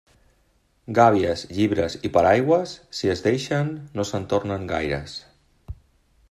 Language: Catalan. Gàbies, llibres i paraigües, si es deixen, no se'n tornen gaires.